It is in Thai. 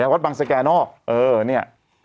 ไหนอ่ะวัดบังเอี่ยนี่